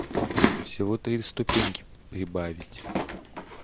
Всего три ступеньки прибавить.